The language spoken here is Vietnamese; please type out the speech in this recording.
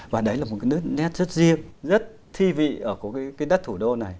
và đấy là một cái nét rất riêng rất thi vị ở cái đất thủ đô này